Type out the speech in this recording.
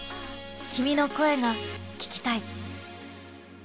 「君の声が聴きたい」。